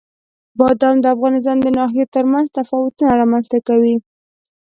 بادام د افغانستان د ناحیو ترمنځ تفاوتونه رامنځ ته کوي.